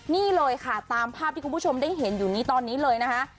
นี่เลยค่ะตามภาพที่คุณผู้ชมได้เห็นอยู่นี้ตอนนี้เลยนะคะ